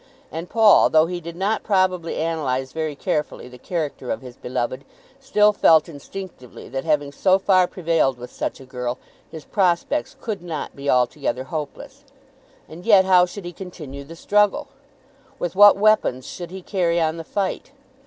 And Paul, though he did not probably analyze very carefully the character of his beloved, still felt instinctively that, having so far prevailed with such a girl, his prospects could not be altogether hopeless. And yet how should he continue the struggle? With what weapons should he carry on the fight?